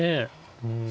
うん。